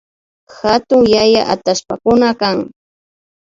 Hatun yana atallpakuna kan